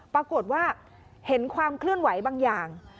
ปรากฏว่าเห็นความเคลื่อนไหวบางอย่าง